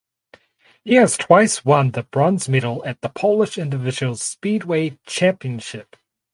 He has twice won the bronze medal at the Polish Individual Speedway Championship.